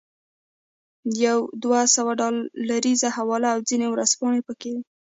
یوه دوه سوه ډالریزه حواله او ځینې ورځپاڼې پکې وې.